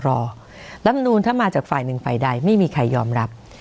รอรับมนูลถ้ามาจากฝ่ายหนึ่งฝ่ายใดไม่มีใครยอมรับ